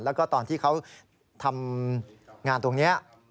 แล้วก็ตอนที่เขาทำงานตรงนี้